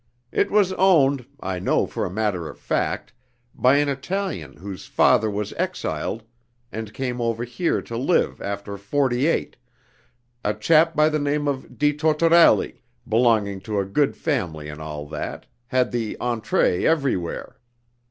It was owned, I know for a matter of fact, by an Italian whose father was exiled, and came over here to live after '48, a chap by the name of di Tortorelli, belonged to a good family and all that, had the entrée everywhere.